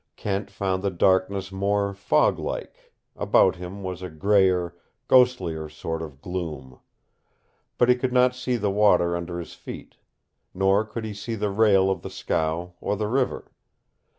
Kent found the darkness more fog like; about him was a grayer, ghostlier sort of gloom. But he could not see the water under his feet. Nor could he see the rail of the scow, or the river.